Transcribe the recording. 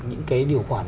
những cái điều khoản